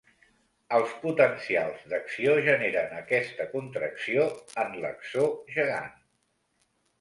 Els potencials d'acció generen aquesta contracció en l'axó gegant.